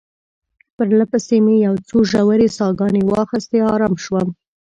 پرله پسې مې یو څو ژورې ساه ګانې واخیستې، آرام شوم.